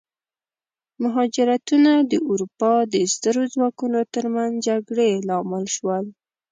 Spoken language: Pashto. مهاجرتونه د اروپا د سترو ځواکونو ترمنځ جګړې لامل شول.